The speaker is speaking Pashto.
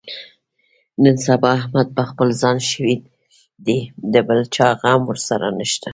نن سبا احمد په خپل ځان شوی دی، د بل چا غم ورسره نشته.